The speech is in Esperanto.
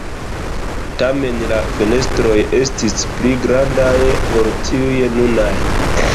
Tamen la fenestroj estis pli grandaj ol tiuj nunaj.